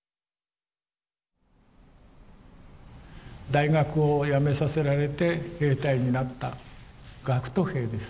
大学をやめさせられて兵隊になった学徒兵です。